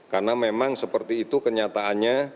karena memang seperti itu kenyataannya